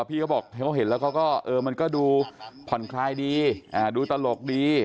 พี่เขาบอกเขาเห็นแล้วเขาก็มันก็ดูผ่อนคลายดีดูตลกดี